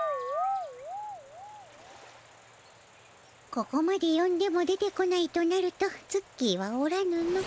ここまでよんでも出てこないとなるとツッキーはおらぬの。